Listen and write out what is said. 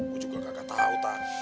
gue juga kagak tau ta